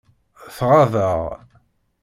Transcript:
Tɣaḍ-aɣ.